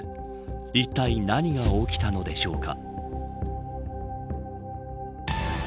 いったい何が起きたのでしょうか。